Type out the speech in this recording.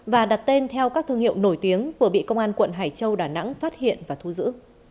và đặt tên theo các thương hiệu nổi tiếng vừa bị công an quận hải châu đà nẵng phát hiện và thu giữ